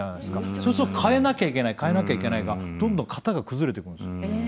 そうすると変えなきゃいけない変えなきゃいけないがどんどん型が崩れてくんです。